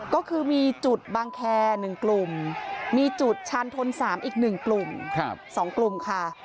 ก็คือมีจุดบางแคหนึ่งกลุ่มมีจุดชันทนสามอีกหนึ่งกลุ่มสองกลุ่มค่ะ